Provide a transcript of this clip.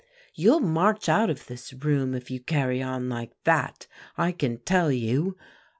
"You'll march out of this room if you carry on like that, I can tell you.